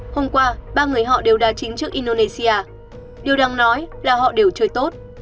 hôm qua ba người họ đều đa chính trước indonesia điều đáng nói là họ đều chơi tốt